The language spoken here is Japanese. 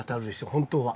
本当は。